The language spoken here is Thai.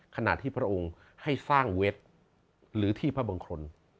ขณะที่พระองค์ให้สร้างเว็บหรือที่พระบังคล